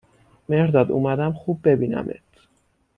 مهرداد اومدم خوب ببینمت